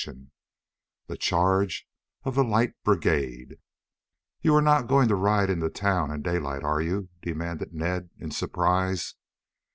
CHAPTER IV THE CHARGE OF THE LIGHT BRIGADE "You are not going to ride into town in daylight, are you?" demanded Ned in surprise.